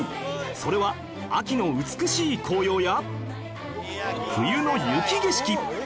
それは秋の美しい紅葉や冬の雪景色